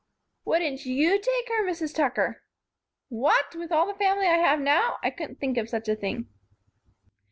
"Wouldn't you take her, Mrs. Tucker?" "What! With all the family I have now? I couldn't think of such a thing."